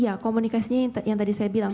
ya komunikasinya yang tadi saya bilang